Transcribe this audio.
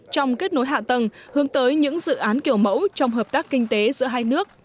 trong kết nối hạ tầng hướng tới những dự án kiểu mẫu trong hợp tác kinh tế giữa hai nước